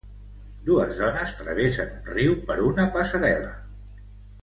Dues dones travessen un riu per una passarel·la.